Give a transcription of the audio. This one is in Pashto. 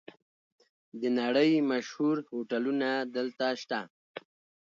د نړۍ مشهور هوټلونه دلته شته.